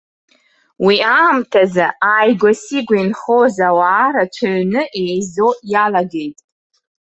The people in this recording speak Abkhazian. Уи аамҭазы ааигәа-сигәа инхоз ауаа рацәаҩны еизо иалагеит.